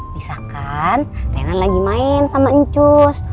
misalkan rena lagi main sama ncus